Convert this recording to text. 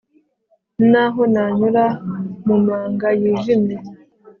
n'aho nanyura mu manga yijimye